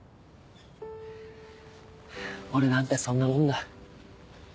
俺なんてそんなもんだ。